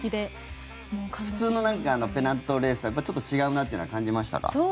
普通のペナントレースとはちょっと違うなというのは感じましたか？